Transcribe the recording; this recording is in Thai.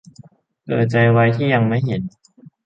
เผื่อใจไว้ที่ยังไม่เห็น